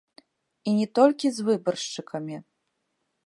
І не толькі з выбаршчыкамі.